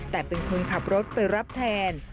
แต่เป็นคนขับรถไปรับแทน